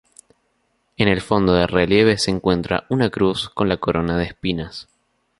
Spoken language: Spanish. En el fondo del relieve se encuentra una cruz con la corona de espinas.